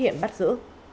hiện bắt giữ